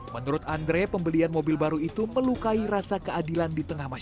menurut andre pembelian mobil baru itu melukai rasa keadilan di tengah masyarakat